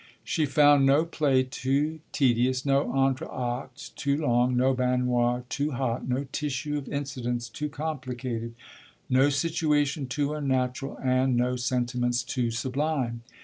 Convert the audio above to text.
She found no play too tedious, no entr'acte too long, no baignoire too hot, no tissue of incidents too complicated, no situation too unnatural and no sentiments too sublime.